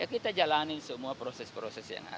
kita jalani semua proses proses yang ada